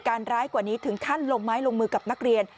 ร้ายกว่านี้ถึงขั้นลงไม้ลงมือกับนักเรียน